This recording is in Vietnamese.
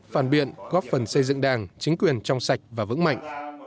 phản biện góp phần xây dựng đảng chính quyền trong sạch và vững mạnh